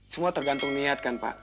semua tergantung niat pak